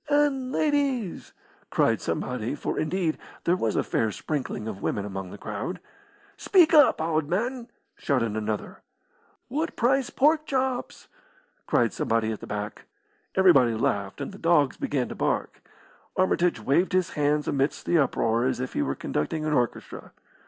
"And ladies!" cried somebody, for, indeed, there was a fair sprinkling of women among the crowd. "Speak up, owd man!" shouted another. "What price pork chops?" cried somebody at the back. Everybody laughed, and the dogs began to bark. Armitage waved his hands amidst the uproar as if he were conducting an orchestra.